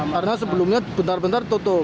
karena sebelumnya bentar bentar tutup